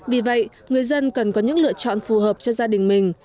vì vậy người dân cần có những lựa chọn phù hợp cho gia đình mình